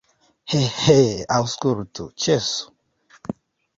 He, he, aŭskultu, ĉesu!